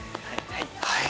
はい。